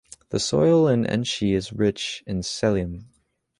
The soil in Enshi is rich in selenium.